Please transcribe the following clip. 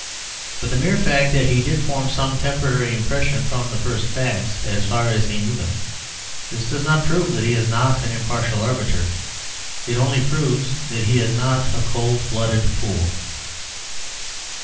But the mere fact that he did form some temporary impression from the first facts as far as he knew them this does not prove that he is not an impartial arbiter it only proves that he is not a cold blooded fool.